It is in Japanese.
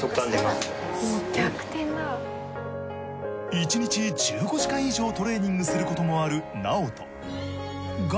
１日１５時間以上トレーニングすることもあるＮａｏｔｏ。